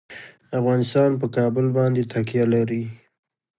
افغانستان په کابل باندې تکیه لري.